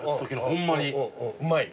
ホンマに。